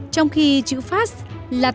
trong khi chữ fast